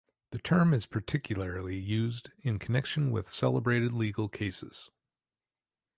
The term is particularly used in connection with celebrated legal cases.